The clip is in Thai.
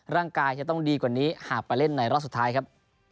จะต้องดีกว่านี้หากไปเล่นในรอบสุดท้ายครับ